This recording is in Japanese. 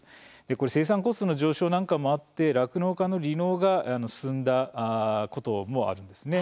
生産コストの上昇なんかもあって酪農家の離農が進んだこともあるんですね。